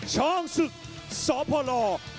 ชองสุดสอบขวานครับ